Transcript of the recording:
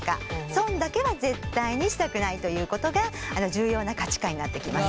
損だけは絶対にしたくないということが重要な価値観になってきます。